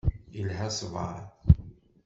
Ilha ṣṣber.